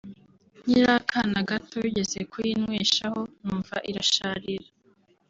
nkiri akana gato bigeze kuyinyweshaho numva irasharira